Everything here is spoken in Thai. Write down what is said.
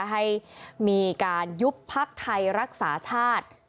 ให้มีการยุบพักไทยรักษาชาติ